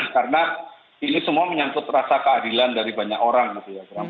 karena ini semua menyambut rasa keadilan dari banyak orang mas bram